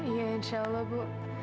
iya insya allah bu